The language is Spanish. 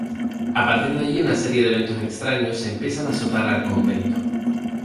A partir de allí, una serie de eventos extraños empiezan a azotar al convento.